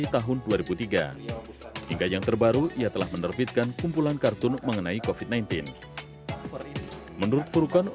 karena bagi saya menyuarakan suara suara yang tidak terdengar